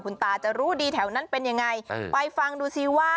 คุณตาจะรู้ดีแถวนั้นเป็นยังไงไปฟังดูซิว่า